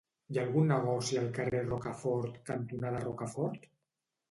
Hi ha algun negoci al carrer Rocafort cantonada Rocafort?